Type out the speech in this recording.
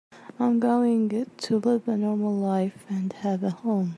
I'm going to live a normal life and have a home.